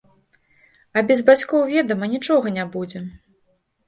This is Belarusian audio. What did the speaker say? А без бацькоў, ведама, нічога не будзе.